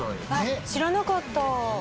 知らなかった。